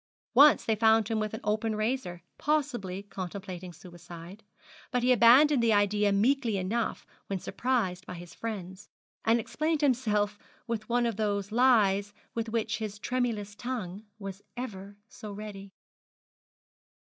Once they found him with an open razor, possibly contemplating suicide; but he abandoned the idea meekly enough when surprised by his friends, and explained himself with one of those lies with which his tremulous tongue was every so ready.